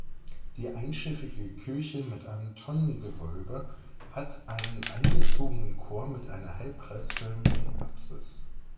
Die einschiffige Kirche mit einem Tonnengewölbe hat einen eingezogenen Chor mit einer halbkreisförmigen Apsis.